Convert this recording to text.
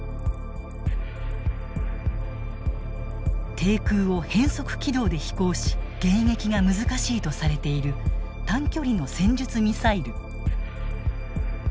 低空を変則軌道で飛行し迎撃が難しいとされている短距離の戦術ミサイル。